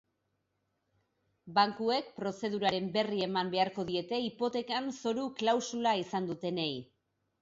Bankuek prozeduraren berri eman beharko diete hipotekan zoru klausula izan dutenei.